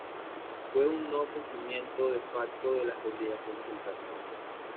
Fue un no cumplimiento "de facto" de las obligaciones del tratado.